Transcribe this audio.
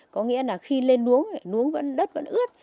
có nghĩa là khi lên nuống nuống đất vẫn ướt